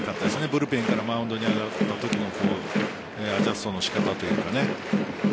ブルペンからマウンドに上がったときのアジャストの仕方というか。